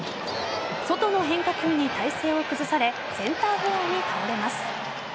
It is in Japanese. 外の変化球に体勢を崩されセンターフライに倒れます。